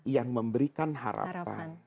yang memberikan harapan